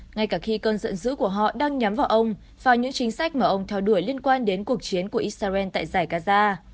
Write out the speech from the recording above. ngay cả khi cơn giận dữ của họ đang nhắm vào ông vào những chính sách mà ông theo đuổi liên quan đến cuộc chiến của israel tại giải gaza